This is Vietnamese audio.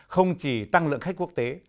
không chỉ tăng lượng khách quốc tế